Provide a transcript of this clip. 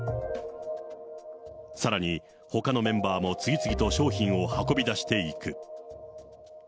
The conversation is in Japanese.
さらに、ほかのメンバーも次々と商品を運び出していく。